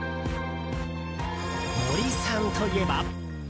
森さんといえば。